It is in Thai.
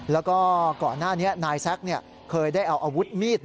แล้วก็ก่อนหน้านี้นายแซ็กเคยได้เอาอาวุธมีด